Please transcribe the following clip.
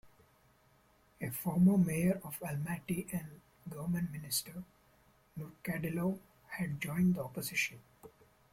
A former mayor of Almaty and government minister, Nurkadilov had joined the opposition.